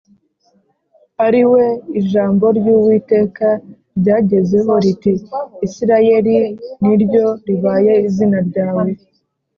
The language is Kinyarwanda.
ari we ijambo ry’Uwiteka ryagezeho riti “Isirayeli ni ryo ribaye izina ryawe”